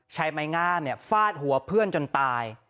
ชายไม่งามเนี่ยฟาดหัวเพื่อนจนตาย